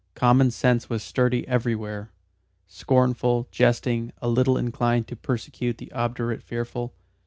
Common sense was sturdy everywhere, scornful, jesting, a little inclined to persecute the obdurate fearful.